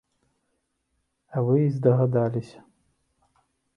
А вы і здагадаліся.